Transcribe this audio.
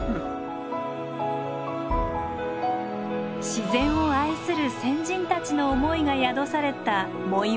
自然を愛する先人たちの思いが宿された藻岩山。